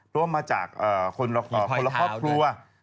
ร่วมมาจากคนละครอบครัว